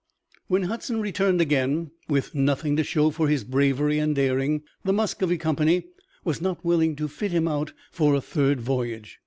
When Hudson returned again with nothing to show for his bravery and daring, the Muscovy Company was not willing to fit him out for a third voyage.